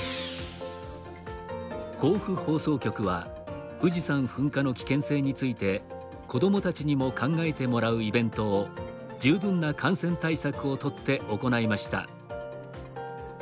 甲府放送局は富士山噴火の危険性について子どもたちにも考えてもらうイベントを十分な感染対策を取って行いました。